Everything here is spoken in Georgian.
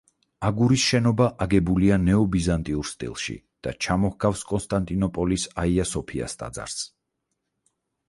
აგურის შენობა აგებულია ნეობიზანტიურ სტილში და ჩამოჰგავს კონსტანტინოპოლის აია-სოფიას ტაძარს.